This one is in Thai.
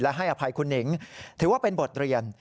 และให้อภัยคุณหนิงถือว่าเป็นบทเรียน